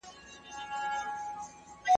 څېړونکی باید د حقیقت په لټه کې وي.